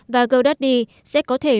và godaddy sẽ có thể